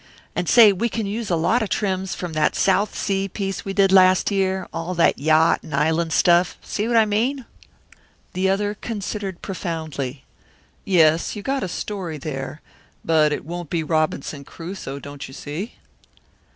And say, we can use a lot of trims from that South Sea piece we did last year, all that yacht and island stuff see what I mean?" The other considered profoundly. "Yes, you got a story there, but it won't be Robinson Crusoe, don't you see?"